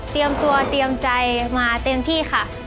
เตรียมตัวเตรียมใจมาเต็มที่ค่ะ